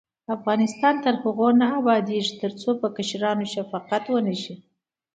افغانستان تر هغو نه ابادیږي، ترڅو پر کشرانو شفقت ونشي.